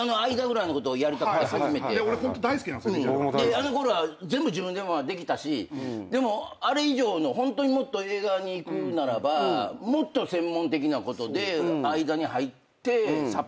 あのころは全部自分でできたしでもあれ以上のホントにもっと映画にいくならばもっと専門的なことで間に入ってサポートをしてくれる人が必要。